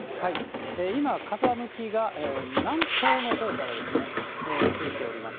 今、風向きが南東のほうから吹いております。